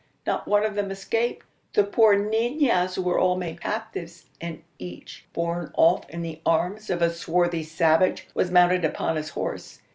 Not one of them escaped. The poor ninas were all made captives; and each, borne off in the arms of a swarthy savage, was mounted upon his horse.